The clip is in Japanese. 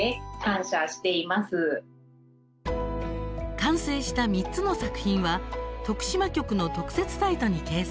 完成した３つの作品は徳島局の特設サイトに掲載。